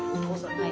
はい。